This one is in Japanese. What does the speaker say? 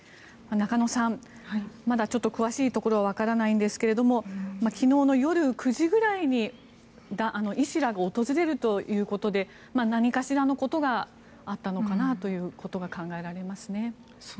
中野さん、まだ詳しいところはわからないんですが昨日夜９時ぐらいが医師らが訪れるということで何かしらのことがあったのかなということが考えられますね。